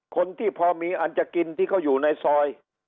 คนที่พอมีอันจะกินที่เขาอยู่ในซอย